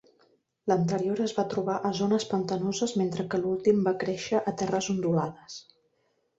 L'anterior es va trobar a zones pantanoses, mentre que l'últim va créixer a terres ondulades.